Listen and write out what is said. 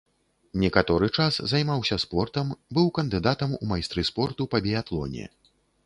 Некаторы час займаўся спортам, быў кандыдатам у майстры спорту па біятлоне.